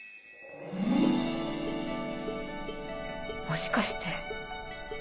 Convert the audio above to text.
もしかして。